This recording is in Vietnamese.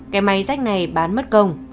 cái máy rách này bán mất công